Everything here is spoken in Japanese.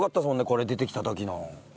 これ出てきた時の。